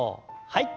はい。